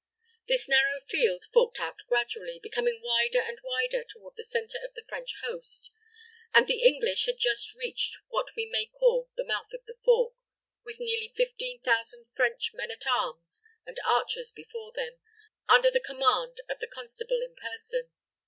This narrow field forked out gradually, becoming wider and wider toward the centre of the French host; and the English had just reached what we may call the mouth of the fork, with nearly fifteen thousand French men at arms, and archers before them, under the command of the constable in person.